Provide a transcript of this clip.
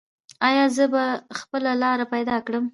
ایا زه به خپله لاره پیدا کړم؟